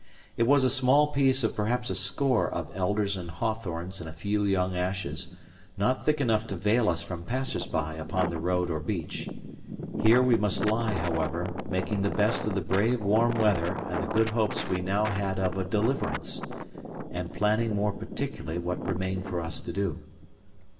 It was a small piece of perhaps a score of elders and hawthorns and a few young ashes, not thick enough to veil us from passersby upon the road or beach. Here we must lie, however, making the best of the brave warm weather and the good hopes we now had of a deliverance, and planing more particularly what remained for us to do.